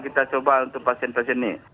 kita coba untuk pasien pasien ini